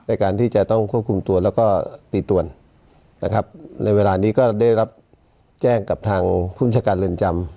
การที่จะต้องควบคุมตัวแล้วก็ตีตวนนะครับในเวลานี้ก็ได้รับแจ้งกับทางภูมิชาการเรือนจำ